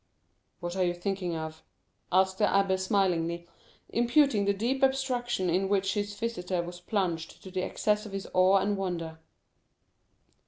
"What are you thinking of?" asked the abbé smilingly, imputing the deep abstraction in which his visitor was plunged to the excess of his awe and wonder.